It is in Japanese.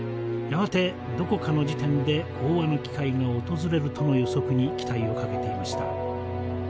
やがてどこかの時点で講和の機会が訪れるとの予測に期待をかけていました。